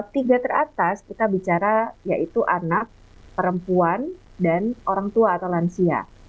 tiga teratas kita bicara yaitu anak perempuan dan orang tua atau lansia